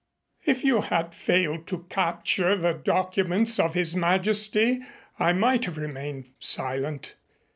If you had failed to capture the documents of His Majesty, I might have remained silent.